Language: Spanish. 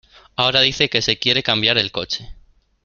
Ahora dice que se quiere cambiar el coche.